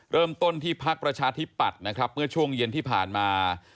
เริ่มต้นที่ภาคประชาธิปัดเมื่อช่วงเย็นที่ผ่านมา